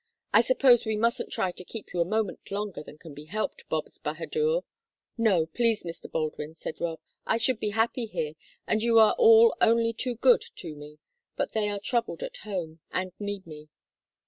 I suppose we mustn't try to keep you a moment longer than can be helped, Bobs bahadur?" "No, please, Mr. Baldwin," said Rob. "I should be happy here, and you are all only too good to me, but they are troubled at home, and need me."